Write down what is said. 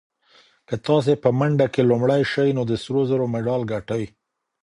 که تاسي په منډه کې لومړی شئ نو د سرو زرو مډال ګټئ.